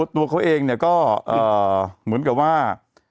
ตัวเขาเองก็เหมือนกับว่า